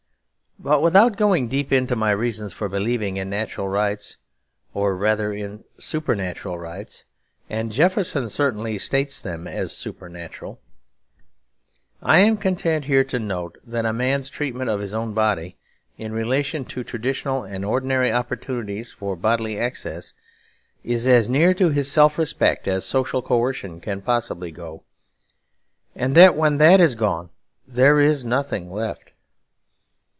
But without going deep into my reasons for believing in natural rights, or rather in supernatural rights (and Jefferson certainly states them as supernatural), I am content here to note that a man's treatment of his own body, in relation to traditional and ordinary opportunities for bodily excess, is as near to his self respect as social coercion can possibly go; and that when that is gone there is nothing left.